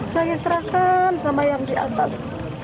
saya serahkan sama yang di atas